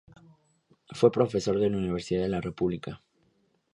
Fue profesor en la Universidad de la República.